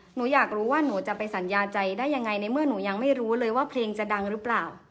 หนูอยากรู้ว่าหนูจะไปสัญญาใจได้ยังไงในเมื่อหนูยังไม่รู้เลยว่าเพลงจะดังหรือเปล่า